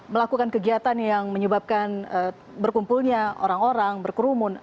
melakukan kegiatan yang menyebabkan berkumpulnya orang orang berkerumun